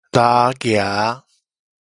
蟧蜈